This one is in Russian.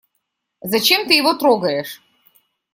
Зачем ты его трогаешь?